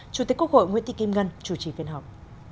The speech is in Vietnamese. chủ tịch quốc hội nguyễn tị kim ngân chủ trì phiên họp